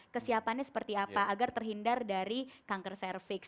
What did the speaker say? kesiapannya seperti apa agar terhindar dari kanker cervix